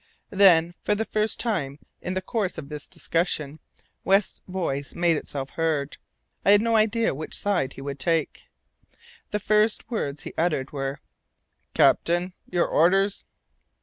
Then, for the first time in the course of this discussion, West's voice made itself heard. I had no idea which side he would take. The first words he uttered were: "Captain, your orders?"